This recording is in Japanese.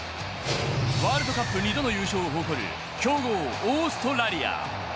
ワールドカップ２度の優勝を誇る強豪・オーストラリア。